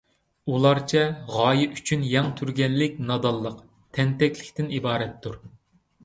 ئۇلارچە غايە ئۈچۈن يەڭ تۈرگەنلىك نادانلىق، تەنتەكلىكتىن ئىبارەتتۇر.